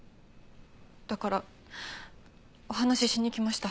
だからお話しに来ました。